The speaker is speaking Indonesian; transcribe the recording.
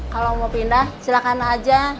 kalau mau pindah silahkan aja